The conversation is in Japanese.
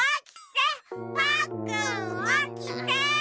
パックンおきて！